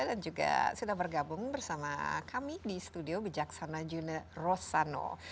dan juga sudah bergabung bersama kami di studio bijaksana juna rossano